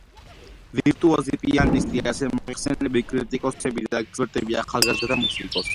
ვირტუოზი პიანისტი, ასე მოიხსენიებენ კრიტიკოსები და ექსპერტები ახალგაზრდა მუსიკოსს.